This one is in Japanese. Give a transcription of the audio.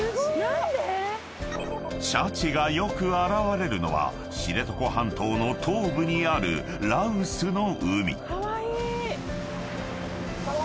［シャチがよく現れるのは知床半島の東部にある羅臼の海］